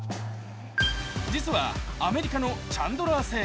実はアメリカのチャンドラー製。